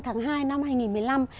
tháng hai năm hai nghìn một mươi năm